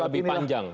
agar lebih panjang